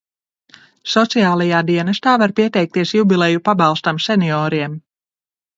Sociālajā dienestā var pieteikties jubileju pabalstam senioriem.